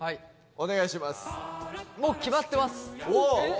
お願いします。